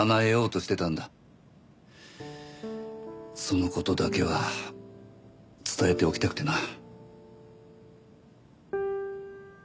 その事だけは伝えておきたくてな。